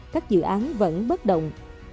các dự án vẫn bất động